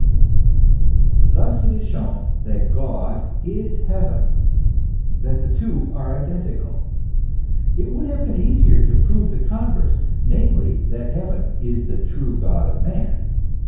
Thus it is shown that God is heaven ; that the two are identical. It would have been easier to prove the converse, namely, that heaven is the true God of men.